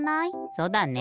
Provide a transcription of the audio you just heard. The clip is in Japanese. そうだね。